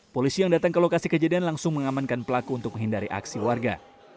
polisi yang datang ke lokasi kejadian langsung mengamankan pelaku untuk menghindari aksi warga